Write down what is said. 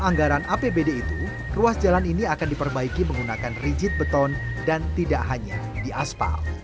anggaran apbd itu ruas jalan ini akan diperbaiki menggunakan rigid beton dan tidak hanya di aspal